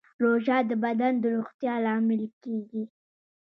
روژه د بدن د روغتیا لامل کېږي.